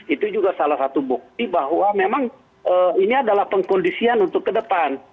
itu juga salah satu bukti bahwa memang ini adalah pengkondisian untuk ke depan